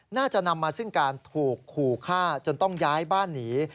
น่าจะนำมาซึ่งการถูกขู่ฆ่าจนต้องย้ายบ้านหนี